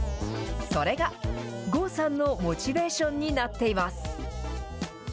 それが、郷さんのモチベーションになっています。